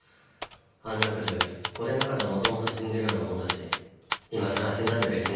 あんなクズ俺の中じゃ元々死んでるようなもんだし今さら死んだって別に？